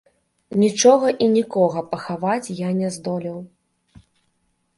Нічога і нікога пахаваць я не здолеў.